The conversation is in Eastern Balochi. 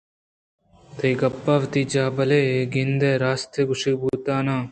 تئی گپ وتی جاہ ءَ بلئے بہ گندے آ راست گوٛشگءَ بوتگ؟ اناں